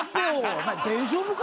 お前大丈夫か？